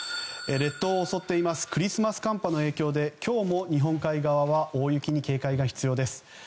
列島を襲っているクリスマス寒波の影響で今日も日本海側は大雪に警戒が必要です。